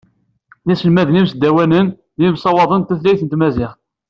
D iselmaden isdawanen d yimaswaḍen n tutlayt n tmaziɣt.